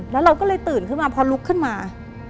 แล้วเราก็เลยตื่นขึ้นมาพอลุกขึ้นมา